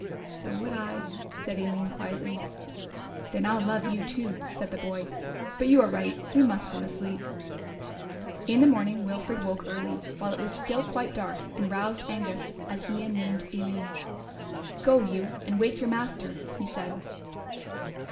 "So would I," said Aline quietly. "Then I'll love you, too," said the boy; "but you are right, we must go to sleep." In the morning Wilfred woke early, while it was still quite dark and roused Angus, as Ian named Aline. "Go you and wake your master," he said.